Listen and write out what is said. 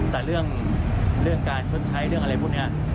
แต่เรื่องการชดใช้เรื่องอะไรพวกนี้